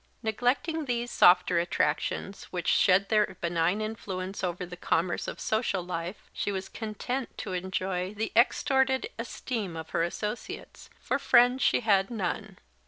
Neglecting these softer attractions which shed their benign influence over the commerce of social life, she was content to enjoy the extorted esteem of her associates; for friends she had none.